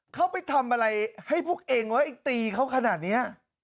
เขาไปทำอะไรให้พวกเองไว้ตีเขาขนาดนี้